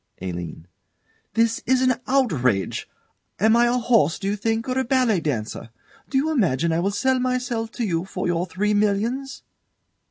ALINE. This is an outrage. Am I a horse, do you think, or a ballet dancer? Do you imagine I will sell myself to you for your three millions?